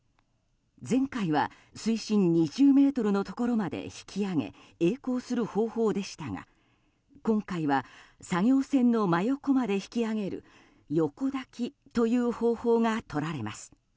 前回は水深２０ｍのところまで引き揚げ曳航する方法でしたが今回は、作業船の真横まで引き揚げる横抱きという方法がとられます。